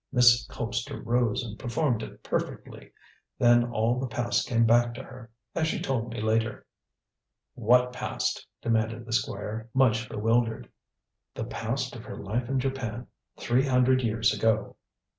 Miss Colpster rose and performed it perfectly. Then all the past came back to her, as she told me later." "What past?" demanded the Squire, much bewildered. "The past of her life in Japan, three hundred years ago."